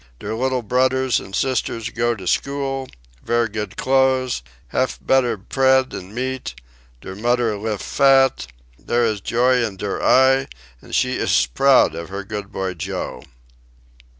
Der liddle brudders an' sisters go to school, vear good clothes, haf better pread an' meat; der mudder lif fat, dere iss joy in der eye, an' she iss proud of her good boy Joe.